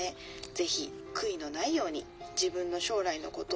ぜひ悔いのないように自分の将来のこと